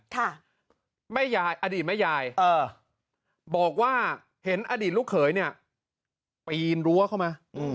ค่ะอดีตแม่ยายบอกว่าเห็นอดีตลูกเขยเนี่ยปีนรั้วเข้ามา